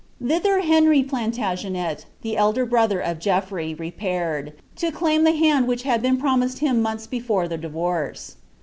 Thither Henry Plantagenet, the elder brother of Geoflwy, nfiMi to claim the hand which had been promised him monlhs before 4* divorce.